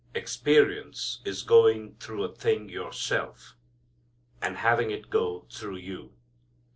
Experience is going through a thing yourself, and having it go through you.